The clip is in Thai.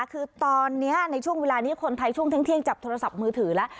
คือตอนนี้ในช่วงเวลานี้คนไทยช่วงเที่ยงจับโทรศัพท์มือถือแล้ว